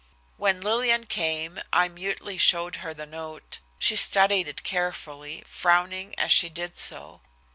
When Lillian came, I mutely showed her the note. She studied it carefully, frowning as she did so.